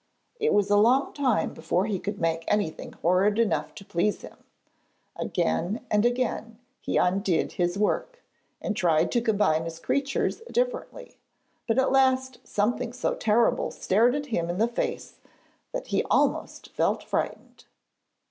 It was a long time before he could make anything horrid enough to please him; again and again he undid his work, and tried to combine his creatures differently, but at last something so terrible stared him in the face that he almost felt frightened.